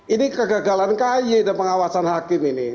ini kegagalan kay dan pengawasan hakim ini